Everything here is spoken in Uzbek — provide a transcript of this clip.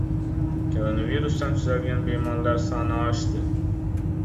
Koronavirusdan tuzalgan bemorlar soni oshdi